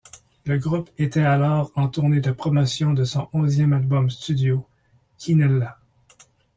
Le groupe était alors en tournée de promotion de son onzième album studio, Quinella.